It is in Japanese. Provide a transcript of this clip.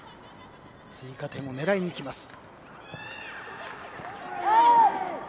追加点を狙いにいきます。